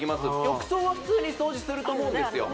浴槽は普通に掃除すると思うんですよ